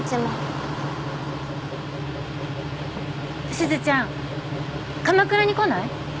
すずちゃん鎌倉に来ない？